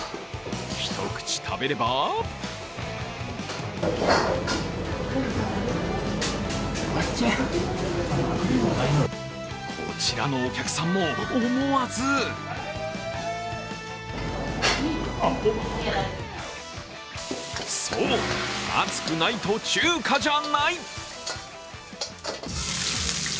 一口食べればこちらのお客さんも、思わずそう、熱くないと中華じゃない！